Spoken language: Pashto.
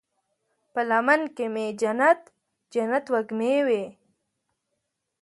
په لمن کې مې جنت، جنت وږمې وی